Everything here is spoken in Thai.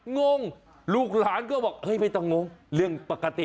งงลูกหลานก็บอกเฮ้ยไม่ต้องงงเรื่องปกติ